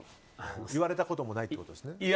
言われたこともないってことですね。